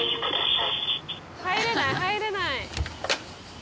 入れない入れない。